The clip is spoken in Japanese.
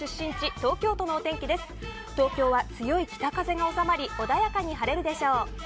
東京は強い北風が収まり穏やかに晴れるでしょう。